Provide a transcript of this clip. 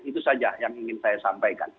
itu saja yang ingin saya sampaikan